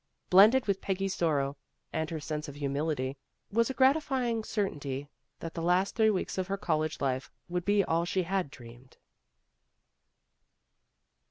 Blended with Peggy's sorrow and her sense of humil ity, was a gratifying certainty that the last three weeks of her college life would be all she had dreamed.